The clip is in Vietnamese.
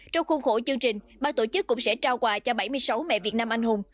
trong khuôn khổ chương trình ba tổ chức cũng sẽ trao quà cho bảy mươi sáu mẹ việt nam anh hùng